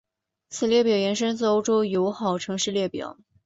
此列表延伸自欧洲友好城市列表。